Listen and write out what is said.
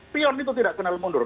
pion itu tidak kenal mundur